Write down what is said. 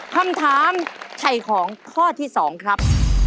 คำถามไถ่ของข้อที่๒ครับ